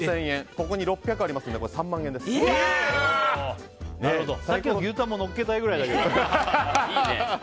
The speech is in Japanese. ここに６００ありますのでさっきの牛タンものっけたいくらいだけど。